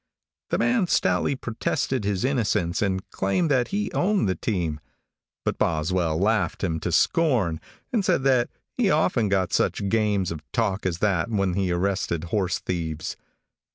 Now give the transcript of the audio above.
The man stoutly protested his innocence and claimed that he owned the team, but Boswell laughed him to scorn and said he often got such games of talk as that when he arrested horse thieves.